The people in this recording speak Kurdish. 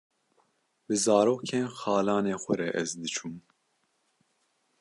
bi zarokên xalanê xwe re ez diçûm